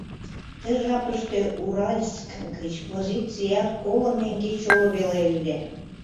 Ты жапыште Уральск гыч позицият коло меҥге чоло веле ыле.